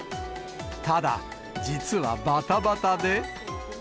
ただ、実はばたばたで。